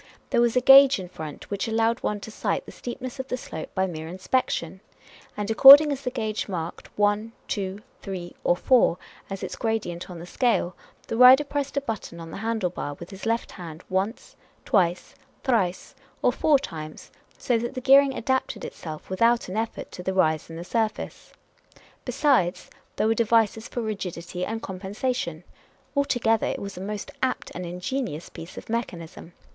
There was a gauge in front which allowed one to sight the steep ness of the slope by mere inspection ; and according as the gauge marked one, two, three, or four, as its gradient on the scale, the rider pressed a button on the handle bar with his left hand once, twice, thrice, or four times, so that the gear ing adapted itself without an effort to the rise in the surface. Besides, there were devices for rigidity and compensation. Altogether, it was a most apt and ingenious piece of mechan ism.